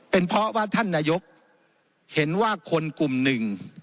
เป็นเพราะว่าท่านนายกเห็นว่าคนกลุ่มหนึ่ง